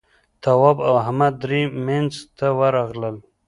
تواب او احمد درې مينځ ته ورغلل.